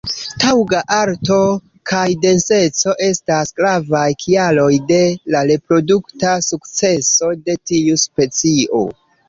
Taŭga alto kaj denseco estas gravaj kialoj de la reprodukta sukceso de tiu specio.